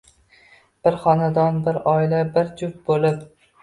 Bir xonadonda, bir oila, bir juft bo`lib